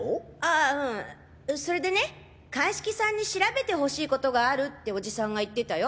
あうんそれでね鑑識さんに調べてほしいことがあるってオジさんが言ってたよ。